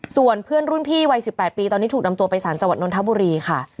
ส่วนเพื่อนรุ่นพี่วัย๑๘ปีตอนนี้ถูกนำตัวไปสารจังหวัดนทบุรีค่ะ